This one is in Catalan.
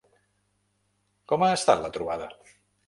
Com ha estat la trobada?